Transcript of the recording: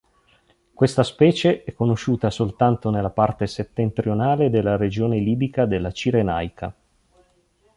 Questa specie è conosciuta soltanto nella parte settentrionale della regione libica della Cirenaica.